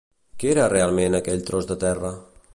Què era realment aquell tros de terra?